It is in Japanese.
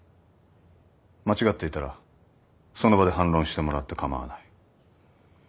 間違っていたらその場で反論してもらって構わない。